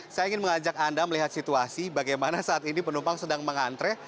saya ingin mengajak anda melihat situasi bagaimana saat ini penumpang sedang mengantre